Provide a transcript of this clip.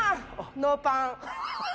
ノーパン。